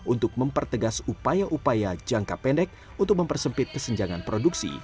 untuk mempertegas upaya upaya jangka pendek untuk mempersempit kesenjangan produksi